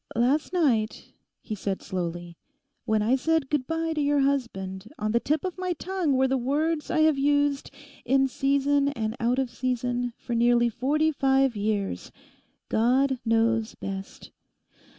'Last night,' he said slowly, 'when I said good bye to your husband, on the tip of my tongue were the words I have used, in season and out of season, for nearly forty five years—"God knows best."